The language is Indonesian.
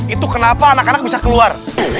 itu kenapa anak anak bisa keluar